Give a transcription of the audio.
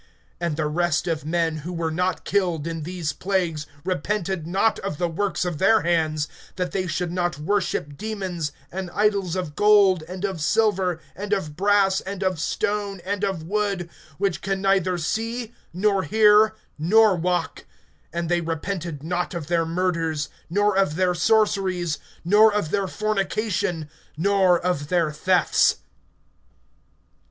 (20)And the rest of men, who were not killed in these plagues, repented not of the works of their hands, that they should not worship demons, and idols of gold, and of silver, and of brass, and of stone, and of wood, which can neither see, nor hear, nor walk; (21)and they repented not of their murders, nor of their sorceries, nor of their fornication, nor of their thefts.